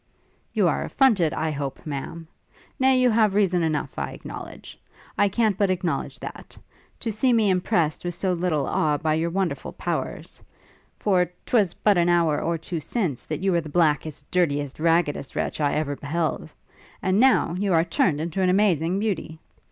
'You are affronted, I hope, Ma'am? Nay, you have reason enough, I acknowledge; I can't but acknowledge that! to see me impressed with so little awe by your wonderful powers; for 'twas but an hour or two since, that you were the blackest, dirtiest, raggedest wretch I ever beheld; and now you are turned into an amazing beauty!